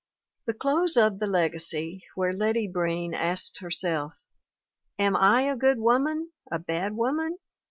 The close of The Legacy, where Letty Breen asks herself: "Am / a good woman a bad woman?'